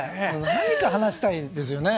何か話したいんですよね。